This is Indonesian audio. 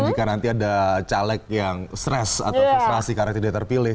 jika nanti ada caleg yang stres atau frustrasi karena tidak terpilih